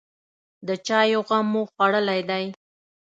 _د چايو غم مو خوړلی دی؟